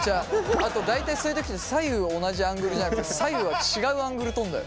あと大体そういう時って左右同じアングルじゃなくて左右は違うアングル撮んだよ。